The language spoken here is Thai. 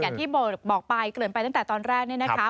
อย่างที่บอกไปเกริ่นไปตั้งแต่ตอนแรกเนี่ยนะคะ